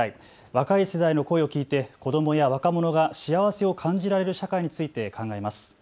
若い世代の声を聴いて子どもや若者が幸せを感じられる社会について考えます。